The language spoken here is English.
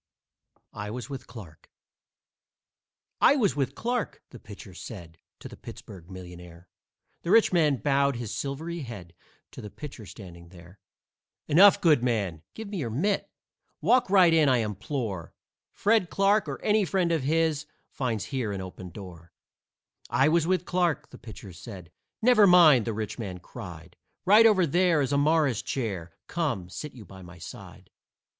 I WAS WITH CLARKE "I was with Clarke," the pitcher said To the Pittsburg millionaire. The rich man bowed his silvery head To the pitcher standing there. "Enough, good man! Give me your mitt! Walk right in, I implore. Fred Clarke or any friend of his Finds here an open door." "I was with Clarke," the pitcher said. "Never mind," the rich man cried. "Right over there is a Morris chair Come, sit you by my side.